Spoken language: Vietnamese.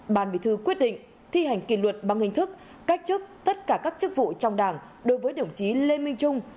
bàn bị thư quyết định thi hành kỳ luật bằng hình thức cách chức tất cả các chức vụ trong đảng đối với đồng chí lê minh trung